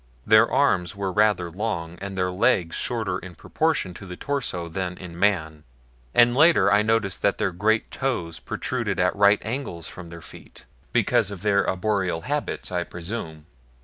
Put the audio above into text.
Their arms were rather longer and their legs shorter in proportion to the torso than in man, and later I noticed that their great toes protruded at right angles from their feet because of their arboreal habits, I presume.